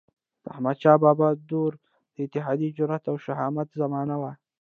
د احمدشاه بابا دور د اتحاد، جرئت او شهامت زمانه وه.